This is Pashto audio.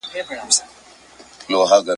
نو له کومه یې پیدا کړل دا طلاوي جایدادونه ..